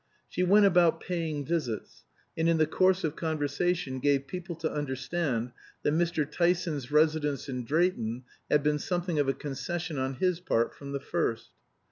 She went about paying visits, and in the course of conversation gave people to understand that Mr. Tyson's residence in Drayton had been something of a concession on his part from the first.